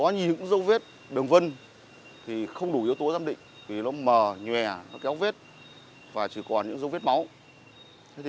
nhưng dấu vết không đủ giám định chỉ vài vết máu needed